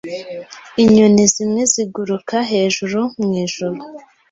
Inyoni zimwe ziguruka hejuru mwijuru.